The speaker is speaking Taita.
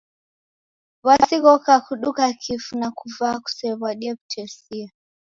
W'asi ghoka kuduka kifu na kuva kusew'adie w'utesia.